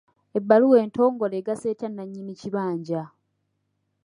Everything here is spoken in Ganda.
Ebbaluwa entongole egasa etya nnannyini kibanja?